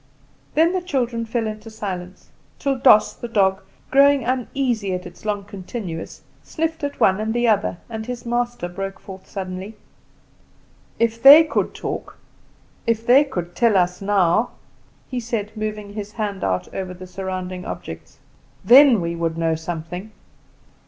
Then the children fell into silence, till Doss, the dog, growing uneasy at its long continuance, sniffed at one and the other, and his master broke forth suddenly: "If they could talk, if they could tell us now!" he said, moving his hand out over the surrounding objects "then we would know something.